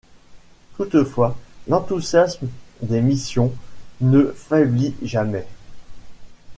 Toutefois l'enthousiasme des missions ne faiblit jamais.